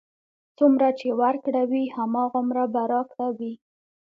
څومره چې ورکړه وي، هماغومره به راکړه وي.